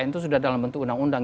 itu sudah dalam bentuk undang undang